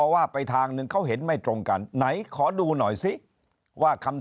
ว่าไปทางหนึ่งเขาเห็นไม่ตรงกันไหนขอดูหน่อยซิว่าคำ